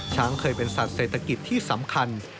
เคยเป็นสัตว์เศรษฐกิจที่สำคัญ